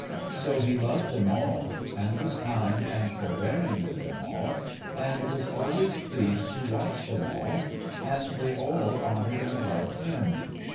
So, he loved them all, and was kind and forbearing with them all, and was always pleased to w\atch them all, and they all honoured and loved him.